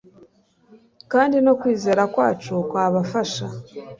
kandi no kwizera kwacu kwabafasha